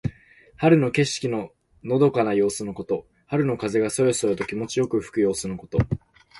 春の景色ののどかな様子のこと。春の風がそよそよと気持ちよく吹く様子のこと。